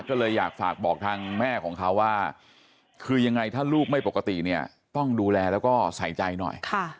ก็เลยอยากฝากบอกทางแม่ของเขาว่าคือยังไงถ้าลูกไม่ปกติเนี่ยต้องดูแลแล้วก็ใส่ใจหน่อย